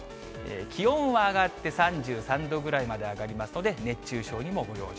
気温は上がって、３３度ぐらいまで上がりますので、熱中症にもご用心。